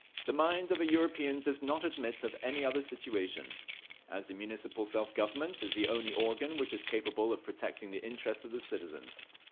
The mind of a European does not admit of any other situation, as the Municipal self government is the only organ which is capable of protecting the interests of the citizens.